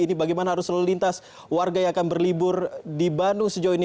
ini bagaimana harus melintas warga yang akan berlibur di bandung sejauh ini